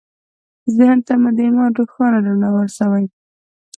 ذهن ته مو د ایمان روښانه رڼا ورسوئ